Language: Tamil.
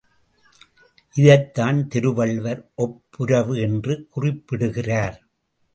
இதைத்தான் திருவள்ளுவர் ஒப்புரவு என்று குறிப்பிடுகிறார்.